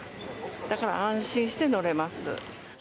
だから安心して乗れます。